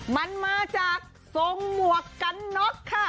มันมาจากทรงหมวกกันน็อกค่ะ